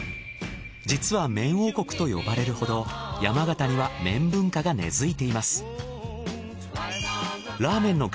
実は麺王国と呼ばれるほど山形には麺文化が根付いています。